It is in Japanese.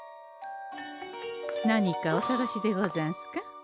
何かお探しでござんすか？